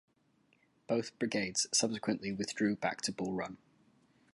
Both brigades subsequently withdrew back to Bull Run.